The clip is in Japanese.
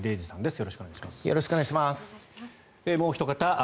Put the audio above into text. よろしくお願いします。